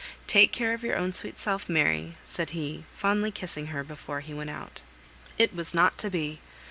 Take care of your own sweet self, Mary," said he, fondly kissing her before he went out. It was not to be.